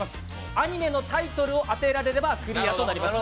アニメのタイトルを当てられればクリアになります。